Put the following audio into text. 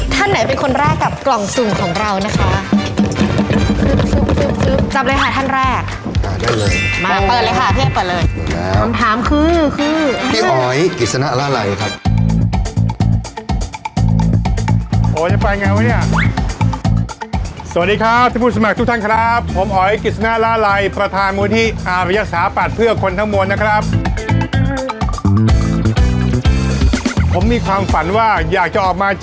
ท่านไหนเป็นคนแรกกับกล่องสุ่มของเรานะคะท่านแรก